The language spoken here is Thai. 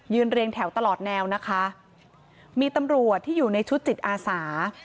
เรียงแถวตลอดแนวนะคะมีตำรวจที่อยู่ในชุดจิตอาสา